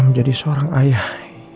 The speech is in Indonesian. menjadi seorang ayah